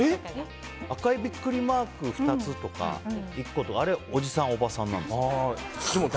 赤いビックリマーク２つとか１個とかあれはおじさん、おばさんなんです。